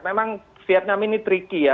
memang vietnam ini tricky ya